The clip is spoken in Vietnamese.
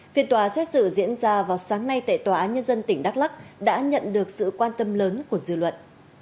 phiên tòa xét xử diễn ra vào sáng nay tại tòa án nhân dân tỉnh đắk lắc đã nhận được sự quan tâm lớn của dư luận